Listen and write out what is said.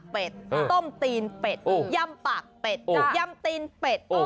เป็ด